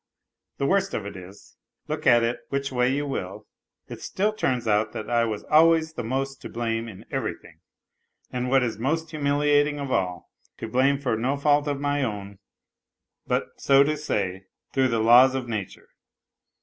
The worst of it is, look at it which way one will, it still turns out that I Avas always the most to blame in everything. And what is most humiliating of all, to blame for no fault of my own but, so to say, through the laws of nature.